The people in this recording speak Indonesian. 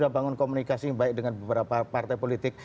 kita membangun komunikasi yang baik dengan beberapa partai politik